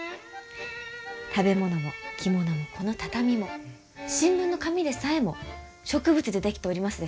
食べ物も着物もこの畳も新聞の紙でさえも植物で出来ておりますでしょう？